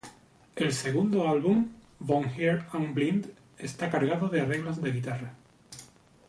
El segundo álbum, "Von hier an blind", está cargado de arreglos de guitarra.